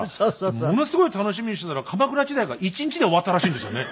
ものすごい楽しみにしていたら鎌倉時代が１日で終わったらしいんですよね。